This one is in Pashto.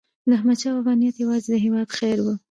داحمدشاه بابا نیت یوازې د هیواد خیر و.